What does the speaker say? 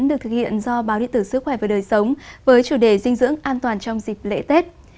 được thực hiện do báo địa tử sức khỏe về đời sống với chủ đề dinh dưỡng an toàn trong dịp lễ tết